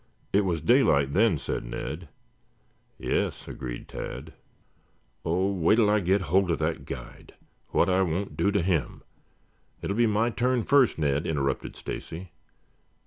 It was daylight then," said Ned. "Yes," agreed Tad. "Oh, wait till I get hold of that guide! What I won't do to him " "It will be my turn first, Ned," interrupted Stacy.